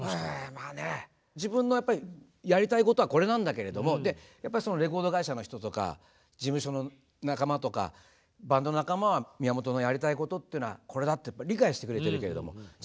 自分のやっぱりやりたいことはこれなんだけれどもやっぱりそのレコード会社の人とか事務所の仲間とかバンド仲間は宮本のやりたいことっていうのはこれだって理解してくれているけれどもじゃ